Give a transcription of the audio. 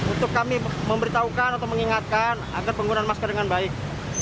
untuk kami memberitahukan atau mengingatkan agar penggunaan masker dengan baik